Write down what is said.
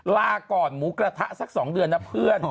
ลาก่อนหมูกระทะสัก๒เดือนนะเพื่อน